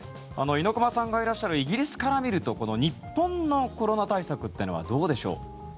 猪熊さんがいらっしゃるイギリスから見ると日本のコロナ対策というのはどうでしょう？